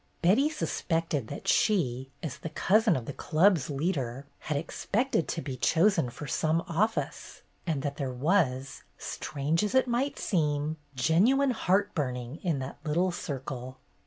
Betty suspected that she, as the cousin of the Club's leader, had expected to be chosen for some office, and that there was — strange as it might seem — genuine heart burning in that little circle.